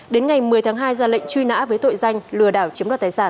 đến ngày một mươi tháng hai ra lệnh truy nã với tội danh lừa đảo chiếm đoạt tài sản